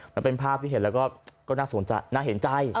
แล้วเป็นภาพที่เห็นแล้วก็น่าเห็นใจ